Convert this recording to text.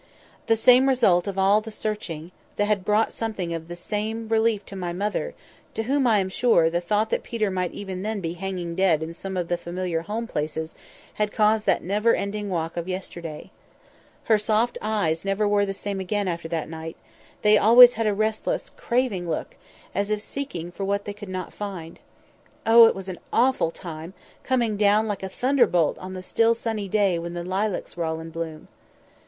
"The same result of all the searching had brought something of the same relief to my mother, to whom, I am sure, the thought that Peter might even then be hanging dead in some of the familiar home places had caused that never ending walk of yesterday. Her soft eyes never were the same again after that; they had always a restless, craving look, as if seeking for what they could not find. Oh! it was an awful time; coming down like a thunder bolt on the still sunny day when the lilacs were all in bloom."